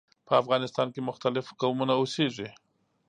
په افغانستان کې مختلف قومونه اوسیږي.